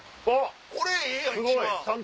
これええやん！